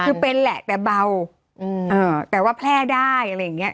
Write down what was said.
คือเป็นแหละแต่เบาแต่ว่าแพร่ได้อะไรอย่างเงี้ย